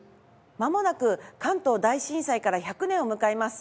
まもなく関東大震災から１００年を迎えます。